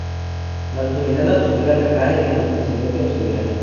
La autoridad auxiliar recae en el presidente auxiliar.